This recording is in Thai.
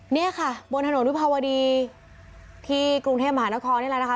เนี่ยค่ะบนถนนวิภาวดีที่กรุงเทพมหานครนี่แหละนะคะ